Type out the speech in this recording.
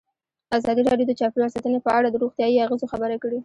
ازادي راډیو د چاپیریال ساتنه په اړه د روغتیایي اغېزو خبره کړې.